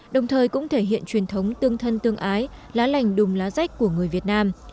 đồng thời cũng thể hiện truyền thống tương thân tương ái lá lành đùm lá rách của người việt nam